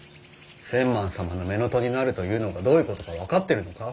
千幡様の乳母父になるというのがどういうことか分かってるのか。